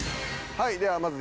はい。